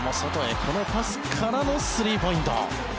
このパスからのスリーポイント。